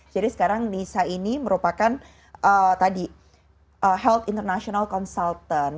jadi sekarang nisa ini merupakan tadi health international consultant